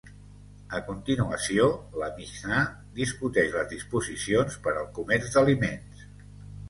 A continuació, la Mixnà discuteix les disposicions per al comerç d'aliments.